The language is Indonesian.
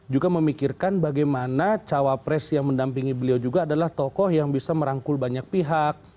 juga memikirkan bagaimana cawapres yang mendampingi beliau juga adalah tokoh yang bisa merangkul banyak pihak